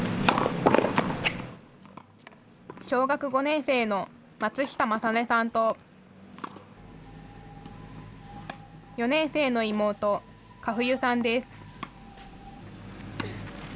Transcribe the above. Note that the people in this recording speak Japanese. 小学５年生の松下理音さんと４年生の妹、佳冬さんです。